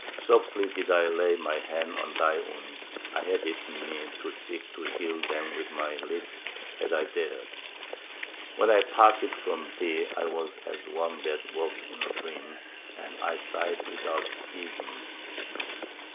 Softly did I lay my hand on thy wounds; I had it in me to seek to heal them with my lips, had I dared.... When I parted from thee I was as one that walketh in a dream, and I sighed without ceasing."